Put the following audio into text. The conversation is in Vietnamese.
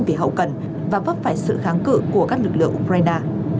về hậu cần và vấp phải sự kháng cự của các lực lượng ukraine